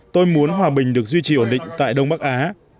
tôi muốn hòa bình được duy trì ổn định tại đông bắc á